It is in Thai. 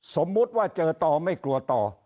สมมุติว่าเจอต่อไม่กลัวต่อ